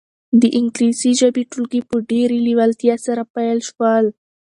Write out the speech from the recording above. د انګلیسي ژبې ټولګي په ډېرې لېوالتیا سره پیل شول.